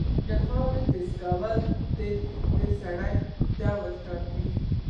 د خاورې ټیسټ کول د سرې ډول ټاکي.